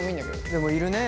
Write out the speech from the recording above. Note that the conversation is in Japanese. でもいるね。